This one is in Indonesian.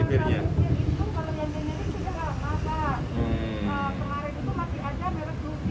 tapi sekarang juga sudah pusat